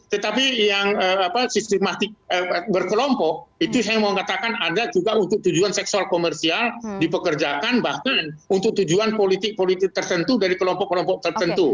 tetapi yang sistematik berkelompok itu saya mau katakan ada juga untuk tujuan seksual komersial dipekerjakan bahkan untuk tujuan politik politik tertentu dari kelompok kelompok tertentu